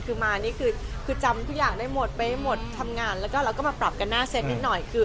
คือมานี่คือจำทุกอย่างได้หมดไปหมดทำงานแล้วก็เราก็มาปรับกันหน้าเซ็ตนิดหน่อยคือ